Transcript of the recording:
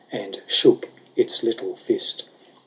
And shook its little fist.